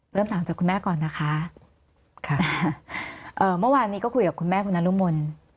เริ่มถามจากคุณแม่ก่อนนะคะค่ะเอ่อเมื่อวานนี้ก็คุยกับคุณแม่คุณนรมน